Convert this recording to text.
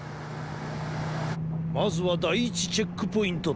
まずはだい１チェックポイントだ。